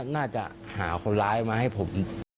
น่าจะหาคนร้ายมาให้ผม